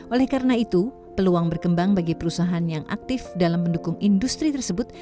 oleh karena itu peluang berkembang bagi perusahaan yang aktif dalam mendukung industri tersebut